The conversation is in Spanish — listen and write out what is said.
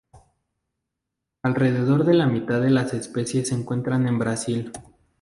Alrededor de la mitad de las especies se encuentran en Brasil.